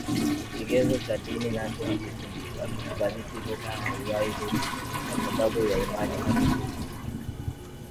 Kigezo cha dini nacho hakikubaliki lugha haiwi lugha kwa sababu ya imani Hata hivyo